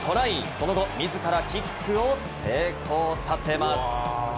その後、自らキックを成功させます。